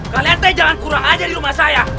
kalian tanya jangan kurang aja di rumah saya